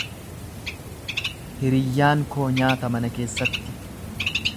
Hiriyyaan koo nyaata mana keessatti.